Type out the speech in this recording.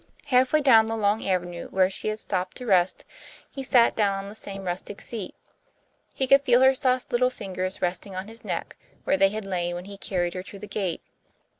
Half way down the long avenue where she had stopped to rest, he sat down on the same rustic seat. He could feel her soft little fingers resting on his neck, where they had lain when he carried her to the gate.